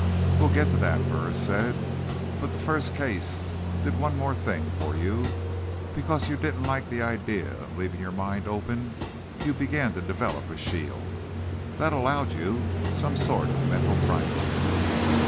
"We'll get to that," Burris said. "But that first case did one more thing for you. Because you didn't like the idea of leaving your mind open, you began to develop a shield. That allowed you some sort of mental privacy."